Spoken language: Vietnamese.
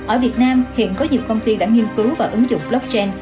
ở việt nam hiện có nhiều công ty đã nghiên cứu và ứng dụng blockchain